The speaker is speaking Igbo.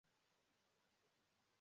Ụmuchu